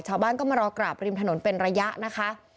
ชาวบ้านก็มารอกราบริมถนนเป็นระยะนะคะ